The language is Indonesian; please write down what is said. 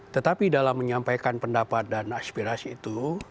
tetapi dalam menyampaikan pendapat dan aspirasi itu